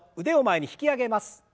腕を前に引き上げます。